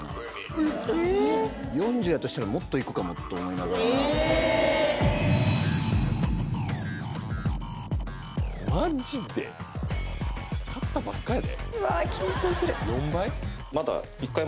えっ⁉４０やとしたらもっといくかもと思いながらマジで⁉買ったばっかやで？